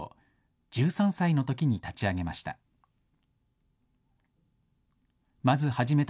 １３歳のときに立ち上げました。